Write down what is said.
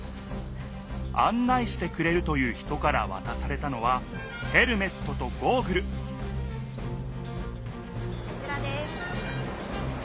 案内してくれるという人からわたされたのはヘルメットとゴーグルこちらです。